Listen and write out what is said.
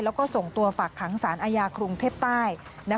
แล้วก็ส่งตัวฝากขังสารอาญากรุงเทพใต้